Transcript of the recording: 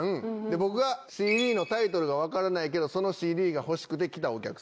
僕がＣＤのタイトルが分からないけどそのＣＤが欲しくて来たお客さん。